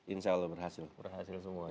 insya allah berhasil